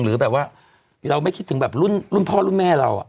เราไม่คิดถึงแบบรุ่นพ่อรุ่นแม่เรา